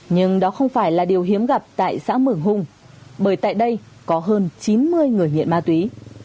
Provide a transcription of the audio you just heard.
nhưng đó không phải là điều hiếm gặp tại xã mường hùng bởi tại đây có hơn chín mươi người nghiện ma túy